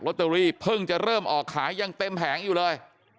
เตอรี่เพิ่งจะเริ่มออกขายยังเต็มแผงอยู่เลย